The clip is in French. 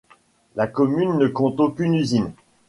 La commune ne compte aucune usine.